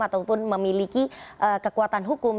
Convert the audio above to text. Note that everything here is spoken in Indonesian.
ataupun memiliki kekuatan hukum